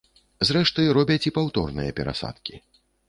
Зрэшты, робяць і паўторныя перасадкі.